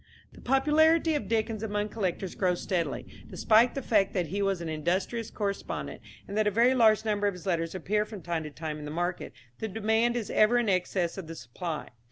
The popularity of Dickens among collectors grows steadily. Despite the fact that he was an industrious correspondent, and that a very large number of his letters appear from time to time in the market, the demand is ever in excess of the supply.